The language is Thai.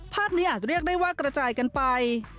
ภาพนี้อาจเรียกได้ว่ากระจายกันไป